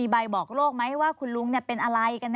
ใบบอกโลกไหมว่าคุณลุงเป็นอะไร